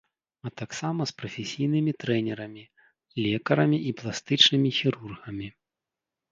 А таксама з прафесійнымі трэнерамі, лекарамі і пластычнымі хірургамі.